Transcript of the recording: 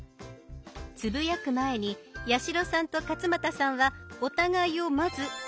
つぶやく前に八代さんと勝俣さんはお互いをまずフォローします。